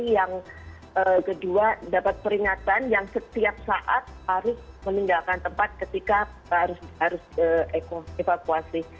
yang kedua dapat peringatan yang setiap saat harus meninggalkan tempat ketika harus evakuasi